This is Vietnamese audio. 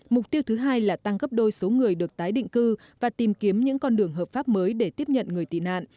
mục tiêu thứ hai là tăng gấp đôi số người được tái định cư và tìm kiếm những con đường hợp pháp mới để tiếp nhận người tị nạn